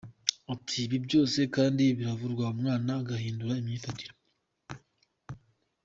Ati” Ibi byose kandi biravurwa umwana agahindura imyifatire.